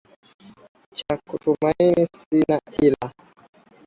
Cha kutumaini sina ila